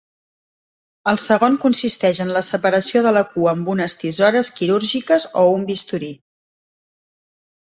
El segon consisteix en la separació de la cua amb unes tisores quirúrgiques o un bisturí.